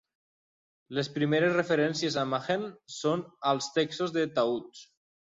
Les primeres referències a Mehen són als textos dels taüts.